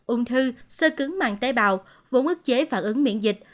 ung thư sơ cứng mạng tế bào vùng ức chế phản ứng miễn dịch